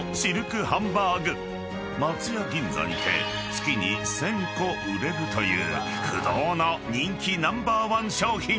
［松屋銀座にて月に１，０００個売れるという不動の人気ナンバーワン商品！］